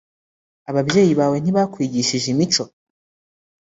Ababyeyi bawe ntibakwigishije imico